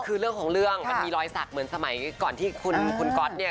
คือเรื่องของเรื่องมันมีรอยสักเหมือนสมัยก่อนที่คุณก๊อตเนี่ย